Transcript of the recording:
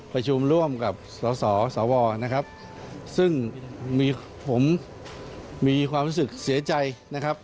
ประชุมร่วมกับสสวนะครับซึ่งมีผมมีความรู้สึกเสียใจนะครับ